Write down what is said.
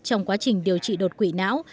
trong quá trình điều trị đột quỵ não